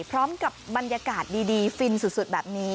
พร้อมกับบรรยากาศดีฟินสุดแบบนี้